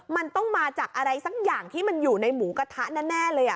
มันต้องมาจากอะไรสักอย่างที่มันอยู่ในหมูกระทะแน่เลย